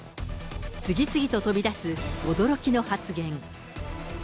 次々と飛び出す驚きの発言。